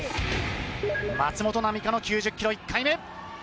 松本潮霞の９０ｋｇ１回目！